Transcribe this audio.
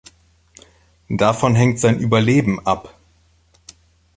Davon hängt sein Überleben ab.